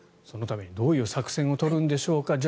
そのためにどういう作戦を取るんでしょうか。